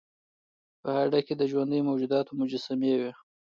په هډه کې د ژوندیو موجوداتو مجسمې وې